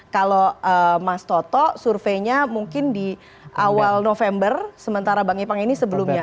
kalau mas toto surveinya mungkin di awal november sementara bang ipang ini sebelumnya